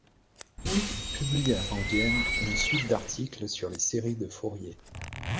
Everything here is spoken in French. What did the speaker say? Il publie avant-guerre une suite d'articles sur les séries de Fourier.